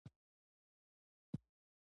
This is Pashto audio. مېلمه ته که خوښ وي، خنداوې ورسره شریکه کړه.